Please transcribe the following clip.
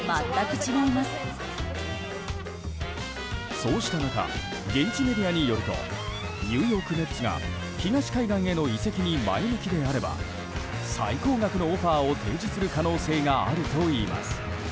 そうした中現地メディアによるとニューヨーク・メッツが東海岸への移籍に前向きであれば最高額のオファーを提示する可能性があるといいます。